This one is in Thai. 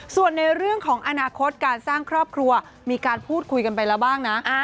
ส่วนในเรื่องของอนาคตการสร้างครอบครัวมีการพูดคุยกันไปแล้วบ้างนะ